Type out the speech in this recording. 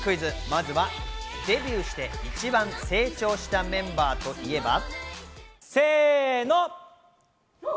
まずはデビューして一番成長したメンバーといえば？